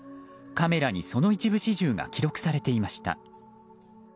カメラにその一部始終が記録されていました。